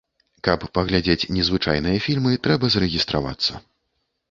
Каб паглядзець незвычайныя фільмы, трэба зарэгістравацца.